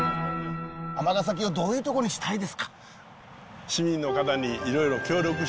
尼崎をどういうとこにしたいですか？